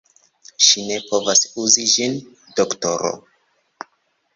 Ŝi ne povas uzi ĝin, doktoro.